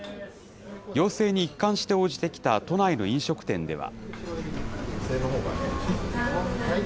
要請に一貫して応じてきた都内の飲食店では。